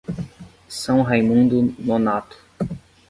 São Raimundo Nonato